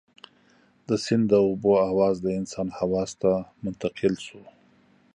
د سيند د اوبو اواز د انسان حواسو ته منتقل شو.